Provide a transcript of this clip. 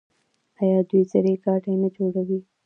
آیا دوی زرهي ګاډي نه جوړوي؟